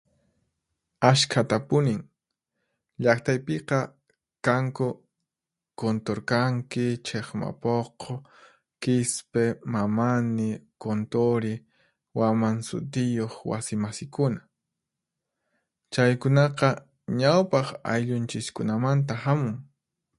Ashkhatapunin! Llaqtaypiqa kanku Kunturkanki, Chiqmapuqu, Qispi, Mamani, Kunturi, Waman sutiyuq wasimasikuna. Chaykunaqa ñawpaq ayllunchiskunamanta hamun.